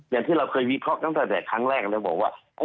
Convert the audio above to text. อย่างที่เราเคยวิเคราะห์ตั้งแต่ครั้งแรกแล้วบอกว่า